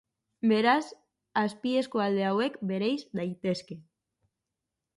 Beraz, azpieskualde hauek bereiz daitezke.